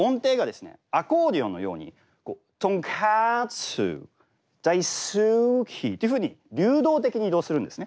アコーディオンのようにとんかつだいすきというふうに流動的に移動するんですね。